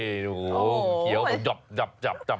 โอ้โฮเขียวจับ